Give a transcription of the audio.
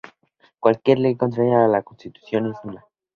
Cualquier ley contraria a la Constitución es nula.